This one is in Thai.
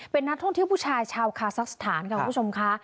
เป็นนักท่องเที่ยวผู้ชายชาวคาซักสถานค่ะคุณผู้ชมค่ะ